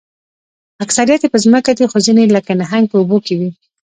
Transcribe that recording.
اکثریت یې په ځمکه دي خو ځینې لکه نهنګ په اوبو کې وي